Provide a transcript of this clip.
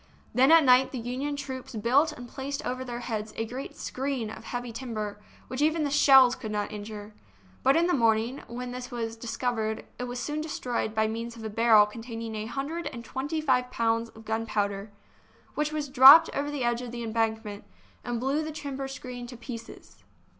Then at night the Union troops built and placed over their heads a great screen of heavy timber, which even the shells could not injure. But in the morning, when this was discovered, it was soon destroyed by means of a barrel containing a hundred and twenty five pounds of gunpowder, which was dropped over the edge of the embankment, and blew the timber screen to pieces.